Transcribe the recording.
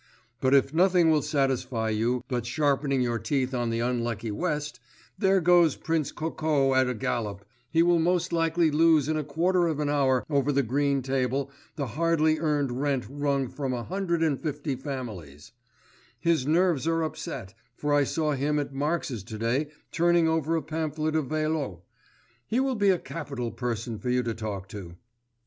But if nothing will satisfy you but sharpening your teeth on the unlucky West, there goes Prince Kokó at a gallop, he will most likely lose in a quarter of an hour over the green table the hardly earned rent wrung from a hundred and fifty families; his nerves are upset, for I saw him at Marx's to day turning over a pamphlet of Vaillot.... He will be a capital person for you to talk to!